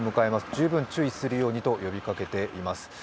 十分注意するようにと呼びかけています。